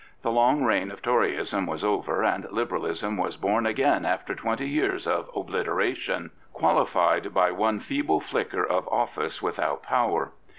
The long reign of Toryism was over and Liberalism was born again after twenty years of obliteration, qualified by one feeble flicker of office without power.